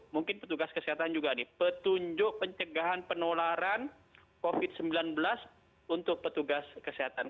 mungkin petugas kesehatan juga nih petunjuk pencegahan penularan covid sembilan belas untuk petugas kesehatan